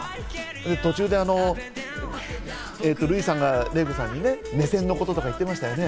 途中でルイさんがレイコさんに目線のこととか言ってましたね。